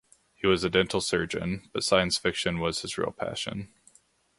He was a dental surgeon, but science fiction was his real passion.